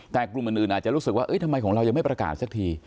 แต่กลุ่มอื่นอาจจะรู้สึกว่าทำไมของเรายังไม่ประกาศสักที